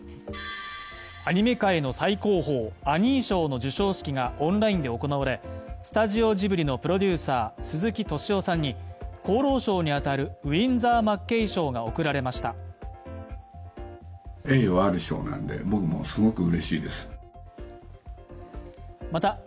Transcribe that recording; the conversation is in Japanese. アニメ界の最高峰アニー賞の授賞式がオンラインで行われ、スタジオジブリのプロデューサー、鈴木敏夫さんに功労賞に当たるウィンザー・マッケイ賞が贈られました。